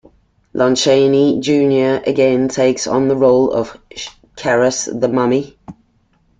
Lon Chaney, Junior again takes on the role of Kharis the mummy.